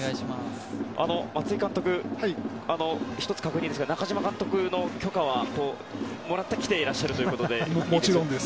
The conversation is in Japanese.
松井監督、１つ確認ですが中嶋監督の許可はもらってきていらっしゃるということで？